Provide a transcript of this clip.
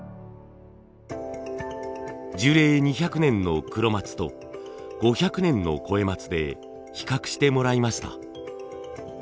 樹齢２００年の黒松と５００年の肥松で比較してもらいました。